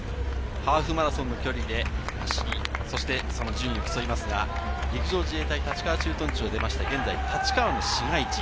ハーフマラソンの距離で走り、そして、その順位を競いますが、陸上自衛隊立川駐屯地を出まして、現在、立川の市街地。